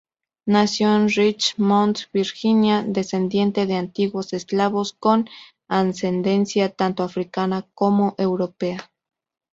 Nació en Richmond, Virginia, descendiente de antiguos esclavos con ascendencia tanto africana como europea.